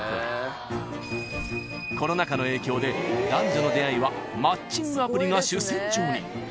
［コロナ禍の影響で男女の出会いはマッチングアプリが主戦場に］